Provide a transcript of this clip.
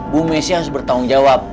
bu messi harus bertanggung jawab